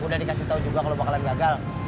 udah dikasih tau juga kalau bakalan gagal